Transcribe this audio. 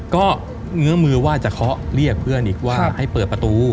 ก็เงื้อมือว่าจะเคาะเรียกเพื่อนอีกว่าให้เปิดประตู